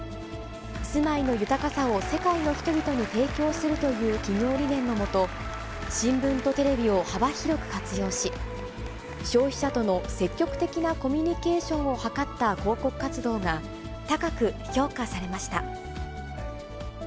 住まいの豊かさを世界の人々に提供するという企業理念の下、新聞とテレビを幅広く活用し、消費者との積極的なコミュニケーションを図った広告活動が、高く評価されました。